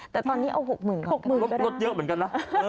แต่ตอนนี้เอาหกเหมือนก็ได้ลดเยอะเหมือนกันนะ